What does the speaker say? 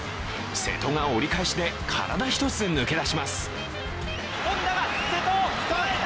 瀬戸が折り返しで体一つ抜け出します。